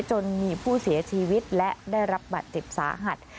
จนมีผู้เสียชีวิตและได้รับบัตรเจ็บสาหัส